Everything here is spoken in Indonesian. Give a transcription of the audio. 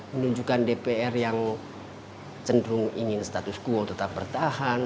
menunjukkan dpr yang cenderung ingin status quo tetap bertahan